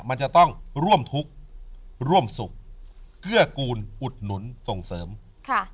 มันจะต้องร่วมทุกข์ร่วมสุขเกื้อกูลอุดหนุนส่งเสริมค่ะ